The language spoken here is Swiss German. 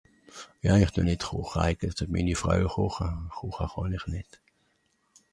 Ja ich düe nìt chocha ìch (...) minni Fràui chocha, chocha chà-n-ìch nìt.